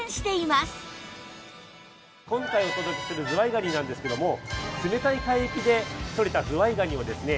今回お届けするズワイガニなんですけども冷たい海域でとれたズワイガニをですね